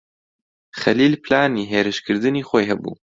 خەلیل پلانی هێرشکردنی خۆی هەبوو.